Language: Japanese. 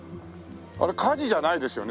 あれ火事じゃないですよね？